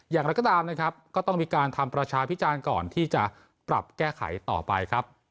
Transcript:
อย่างไรก็ตามนะครับก็ต้องมีการทำประชาพิจารณ์ก่อนที่จะปรับแก้ไขต่อไปครับ